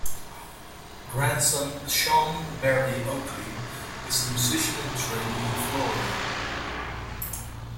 Grandson Shaun Berry Oakley is a musician in training in Florida.